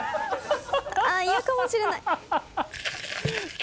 あっイヤかもしれない。